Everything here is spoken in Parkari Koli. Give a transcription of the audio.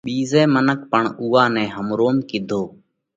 ٻيزئہ منک پڻ اُوئا نئہ همروم ڪِيڌو۔